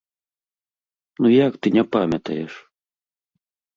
Ну як ты не памятаеш?!